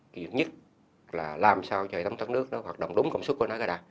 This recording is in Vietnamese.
kỹ thuật nhất là làm sao cho hệ thống thoát nước nó hoạt động đúng công suất của nó ra đạt